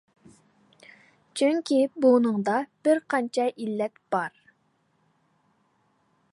چۈنكى بۇنىڭدا بىر قانچە ئىللەت بار.